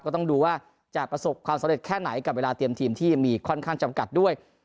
ต้องดูว่าจะประสบความสำเร็จแค่ไหนกับเวลาเตรียมทีมที่มีค่อนข้างจำกัดด้วย